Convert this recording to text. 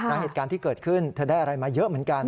เหตุการณ์ที่เกิดขึ้นเธอได้อะไรมาเยอะเหมือนกัน